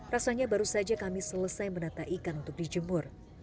rasanya baru saja kami selesai menata ikan untuk dijemur